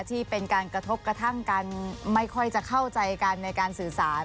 ที่เป็นการกระทบกระทั่งกันไม่ค่อยจะเข้าใจกันในการสื่อสาร